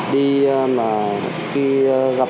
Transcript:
đi mà khi gặp